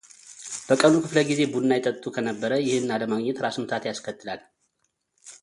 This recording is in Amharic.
በቀኑ ክፍለ ጊዜ ቡና ይጠጡ ከነበረ ይህን አለማግኘት ራስ ምታት ያስከትላል።